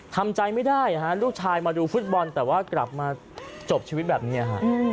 ทำใจไม่ได้ฮะลูกชายมาดูฟุตบอลแต่ว่ากลับมาจบชีวิตแบบนี้ฮะ